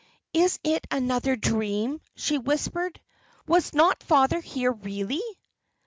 "Is it another dream?" she whispered. "Was not father here really?"